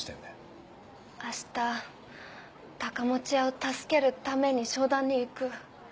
明日高持屋を助けるために商談に行く。